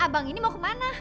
abang ini mau kemana